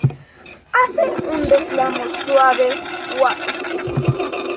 Hacen un reclamo suave: "ua-ap".